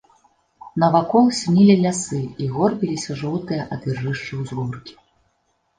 Навакол сінелі лясы і горбіліся жоўтыя ад іржышча ўзгоркі.